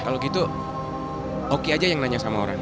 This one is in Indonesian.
kalo gitu oki aja yang nanya sama orang